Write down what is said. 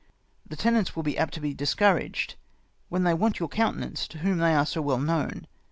The tenants will be apt to be discouraged, when they want your countenance to whom they are so well known.